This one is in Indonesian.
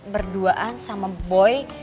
berduaan sama boy